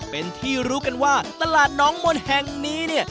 เป็นที่รู้กันว่าตลาดน้องมนต์แห่งนี้เนี่ย